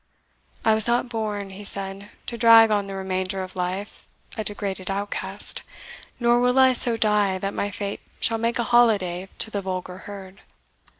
"I was not born," he said, "to drag on the remainder of life a degraded outcast; nor will I so die that my fate shall make a holiday to the vulgar herd."